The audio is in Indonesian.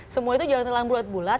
semua itu jangan telan bulat bulat